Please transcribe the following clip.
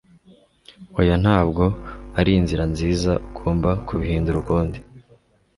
oya, ntabwo arinzira nziza. ugomba kubihindura ukundi